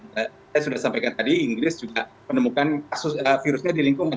saya sudah sampaikan tadi inggris juga menemukan kasus virusnya di lingkungan